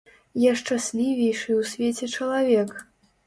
Я шчаслівейшы ў свеце чалавек!